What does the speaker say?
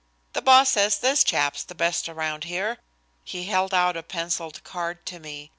"The boss says this chap's the best around here." He held out a penciled card to me.